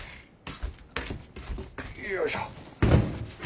よいしょ。